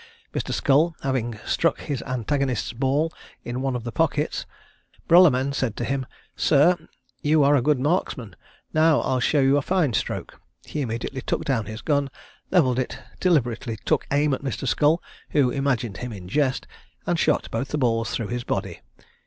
Mr. Scull having struck his antagonist's ball in one of the pockets, Bruluman said to him, "Sir, you are a good marksman; now I'll show you a fine stroke." He immediately took down his gun, levelled it, deliberately took aim at Mr. Scull (who imagined him in jest), and shot both the balls through his body.